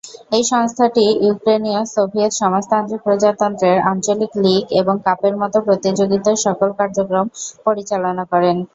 এই সংস্থাটি ইউক্রেনীয় সোভিয়েত সমাজতান্ত্রিক প্রজাতন্ত্রের আঞ্চলিক লীগ এবং কাপের মতো প্রতিযোগিতার সকল কার্যক্রম পরিচালনা করে।